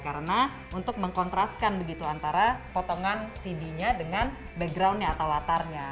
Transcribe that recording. karena untuk mengkontraskan begitu antara potongan cd nya dengan backgroundnya atau latarnya